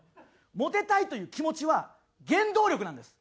モテたいという気持ちは原動力なんです。